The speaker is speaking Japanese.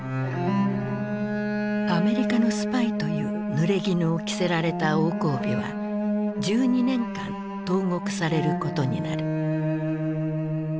アメリカのスパイというぬれぎぬを着せられた王光美は１２年間投獄されることになる。